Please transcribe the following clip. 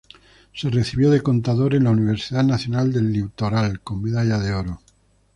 Se recibió de Contador en la Universidad Nacional del Litoral, con medalla de oro.